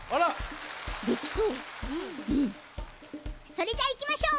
それじゃいきましょう！